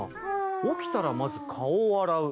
起きたらまず顔を洗う。